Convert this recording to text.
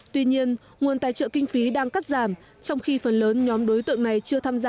tuy nhiên nguồn tài trợ kinh phí đang cắt giảm trong khi phần lớn nhóm đối tượng này chưa tham gia